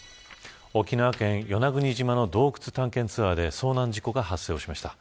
沖縄県与那国島の洞窟探検ツアーで遭難事故が発生しました。